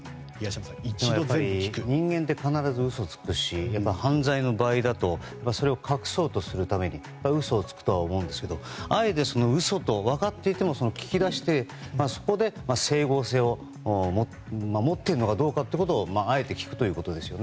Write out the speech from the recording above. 人間って必ず嘘をつくし犯罪の場合だとそれを隠そうとするために嘘をつくとは思うんですけどあえて、嘘と分かっていても聞き出して、そこで整合性を守っているのかどうかをあえて聞くということですよね。